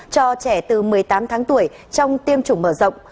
cho trẻ từ một mươi tám tháng tuổi trong tiêm chủng mở rộng